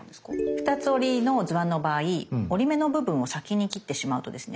２つ折りの図案の場合折り目の部分を先に切ってしまうとですね